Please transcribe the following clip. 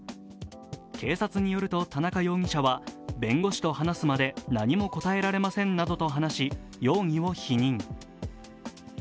警察によると、田中容疑者は弁護士と話すまで何も答えられませんなどと話し、容疑を否認。